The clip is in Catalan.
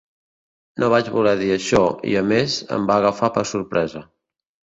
No vaig voler dir això i, a més, em va agafar per sorpresa.